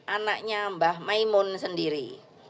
anaknya mbah maimon sendiri